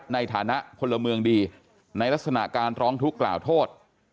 ในฐานะพลเมืองดีในลักษณะการร้องทุกข์กล่าวโทษ